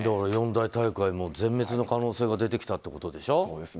四大大会も全滅の可能性が出てきたということでしょ。